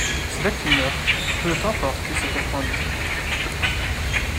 C'est là qu'il meurt, peu de temps après avoir fêté ses quatre-vingt-dix ans.